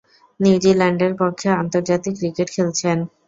নিউজিল্যান্ডের পক্ষে আন্তর্জাতিক ক্রিকেট খেলছেন।